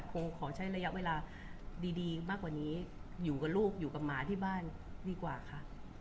ขอใช้ระยะเวลาดีมากกว่านี้อยู่กับลูกอยู่กับหมาที่บ้านดีกว่าค่ะ